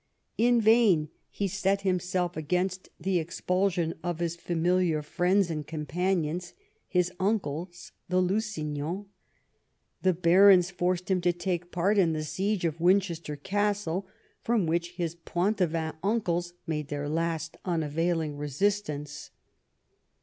In vain he set himself against 28 EDWARD I chap. the expulsion of his familiar friends and companions, his uncles the Lusignans. The barons forced him to take part in the siege of Winchester Castle, from which his Poitevin uncles made their last unavailing resistance.